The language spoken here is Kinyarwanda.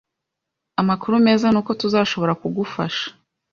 Amakuru meza nuko tuzashobora kugufasha.